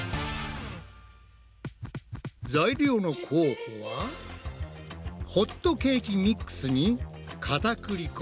材料の候補はホットケーキミックスにかたくり粉。